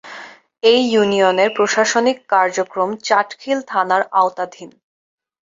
এ ইউনিয়নের প্রশাসনিক কার্যক্রম চাটখিল থানার আওতাধীন।